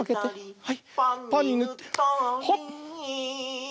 はい。